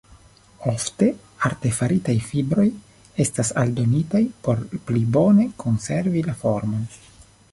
Ofte artefaritaj fibroj estas aldonitaj por pli bone konservi la formon.